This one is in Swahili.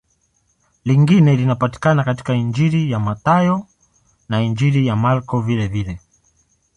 Lingine linapatikana katika Injili ya Mathayo na Injili ya Marko vilevile.